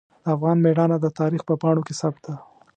د افغان میړانه د تاریخ په پاڼو کې ثبت ده.